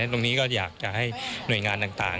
ตรงนี้ก็อยากจะให้หน่วยงานต่าง